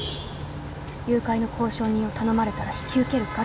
「誘拐の交渉人を頼まれたら引き受けるか？」